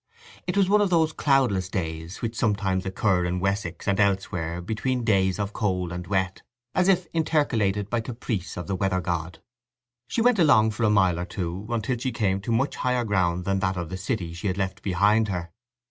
It was one of those cloudless days which sometimes occur in Wessex and elsewhere between days of cold and wet, as if intercalated by caprice of the weather god. She went along for a mile or two until she came to much higher ground than that of the city she had left behind her.